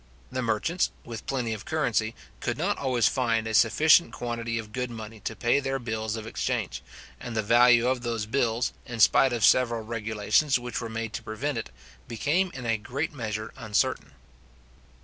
The merchants, with plenty of currency, could not always find a sufficient quantity of good money to pay their bills of exchange; and the value of those bills, in spite of several regulations which were made to prevent it, became in a great measure uncertain.